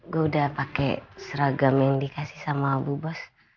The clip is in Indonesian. gue udah pake seragam yang dikasih sama abu bos